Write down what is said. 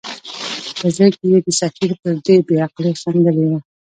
په زړه کې یې د سفیر پر دې بې عقلۍ خندلي وه.